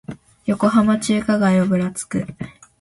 横浜中華街をぶらつく